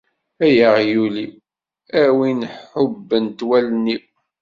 Ay aɣyul-iw, a win ḥubbent wallen-iw.